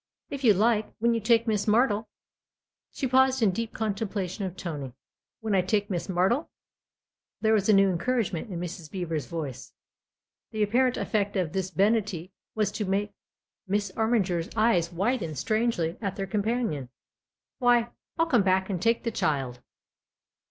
" If you like, when you take Miss Martle " She paused in deep contemplation of Tony. " When I take Miss Martle ?" There was a new encouragement in Mrs. Beever's voice. The apparent effect of this benignity was to make Miss Armiger's eyes widen strangely at their com panion. "Why, I'll come back and take the child."